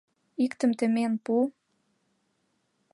Иктым темен пу.